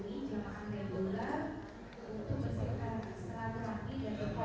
selalu tutup lunggu selalu tutup ya